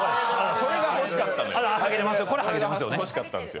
それが欲しかったのよ。